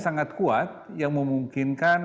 sangat kuat yang memungkinkan